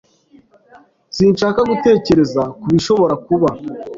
Sinshaka gutekereza kubishobora kuba.